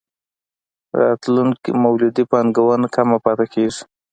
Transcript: راتلونکې مولدې پانګونه کمه پاتې کېږي.